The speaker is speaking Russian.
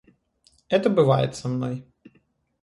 Это бывает со мной.